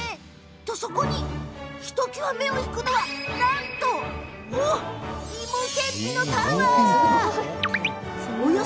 と、そこにひときわ目を引くのはなんといもけんぴのタワー。